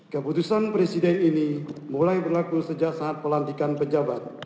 keputusan presiden ini mulai berlaku sejak saat pelantikan pejabat